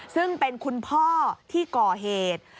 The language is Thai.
ซึ่งเป็นคุณพ่อที่ก่อเหตุ